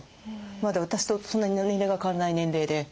まだ私とそんなに年齢が変わらない年齢で。